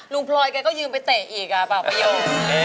ลุงพลอยก็ยืมไปเตะอีกเปล่าไม่ได้หรอก